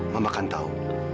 mama kan tahu